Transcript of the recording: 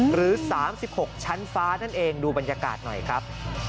หรือ๓๖ชั้นฟ้านั่นเองดูบรรยากาศหน่อยครับ